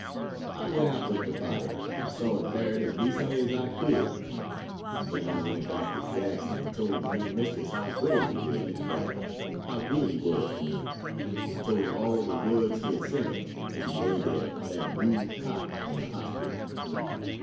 I went out with the body and saw it buried as decently as I could, and then I went back to Jackson and told the young mistress how brave he was in battle, how good he was to me, and told her all the words he had sent her, as he lay there on that rude cot in the hospital.